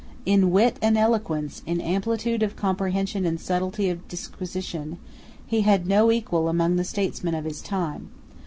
In wit and eloquence, in amplitude of comprehension and subtlety of disquisition, he had no equal among the statesmen of his time.